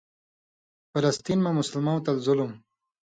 فلسطین مہ مسلمؤں تل ظلم